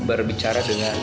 karena makan seblak kerupuk